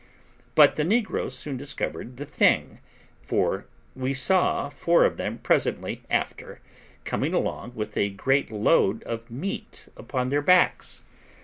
But the negroes soon discovered the thing, for we saw four of them presently after coming along with a great load of meat upon their backs.